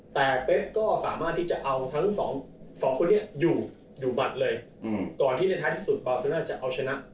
แต่เป๊กก็สามารถที่จะเอาทั้งสองสองคนนี้อยู่บัตรเลยก่อนที่ในท้ายที่สุดบาเซน่าจะเอาชนะ